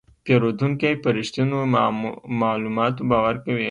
پیرودونکی په رښتینو معلوماتو باور کوي.